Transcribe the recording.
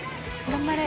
頑張れ。